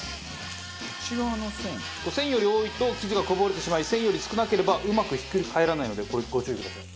線より多いと生地がこぼれてしまい線より少なければうまくひっくり返らないのでこれご注意ください。